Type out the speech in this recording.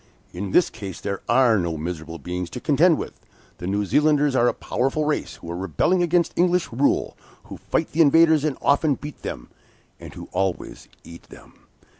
"In this case there are no miserable beings to contend with. The New Zealanders are a powerful race, who are rebelling against English rule, who fight the invaders, and often beat them, and who always eat them!"